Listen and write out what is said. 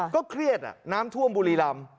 เครียดน้ำท่วมบุรีรำ